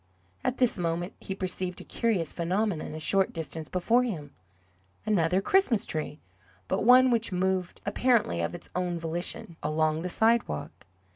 At this moment he perceived a curious phenomenon a short distance before him another Christmas tree, but one which moved, apparently of its own volition, along the sidewalk.